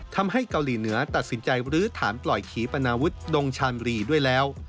ทำให้เกาหลีเหนือตัดสินใจลื้อฐานปล่อยขีปนาวุฒิดงชามรีด้วยแล้ว